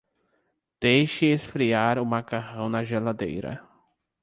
Deixe esfriar o macarrão na geladeira.